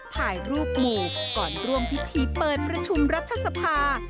ถ่ายรูปหมู่ก่อนร่วมพิธีเปิดประชุมรัฐสภา